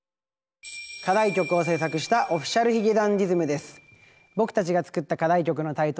課題曲を制作したＯｆｆｉｃｉａｌ髭男ｄｉｓｍです。